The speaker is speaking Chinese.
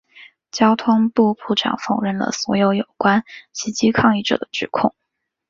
交通部部长否认了所有有关袭击抗议者的指控。